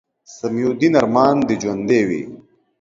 سمیع الدین ارمان دې ژوندے وي